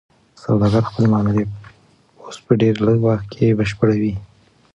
سوداګر خپلې معاملې اوس په ډیر لږ وخت کې بشپړوي.